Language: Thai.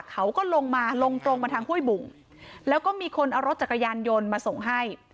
เขาก็ลงมาลงตรงมาทางห้วยบุ่งแล้วก็มีคนเอารถจักรยานยนต์มาส่งให้